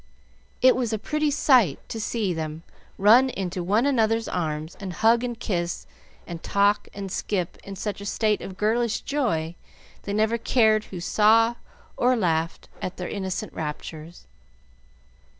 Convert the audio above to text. It was a pretty sight to see them run into one another's arms and hug and kiss and talk and skip in such a state of girlish joy they never cared who saw or laughed at their innocent raptures.